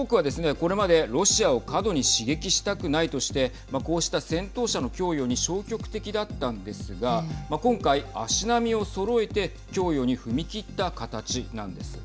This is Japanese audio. これまでロシアを過度に刺激したくないとしてこうした戦闘車の供与に消極的だったんですが今回、足並みをそろえて供与に踏み切った形なんです。